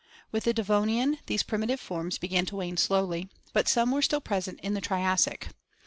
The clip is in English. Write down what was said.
... With the De vonian these primitive forms began to wane slowly, but some were still present in the Triassic.